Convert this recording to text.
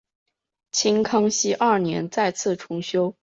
清康熙二年再次重修。